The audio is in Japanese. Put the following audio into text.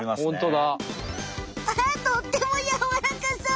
あとってもやわらかそう！